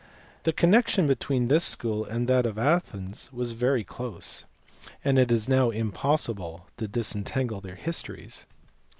The connection between this school and that of Athens was very close, and it is now impossible to disentangle their histories.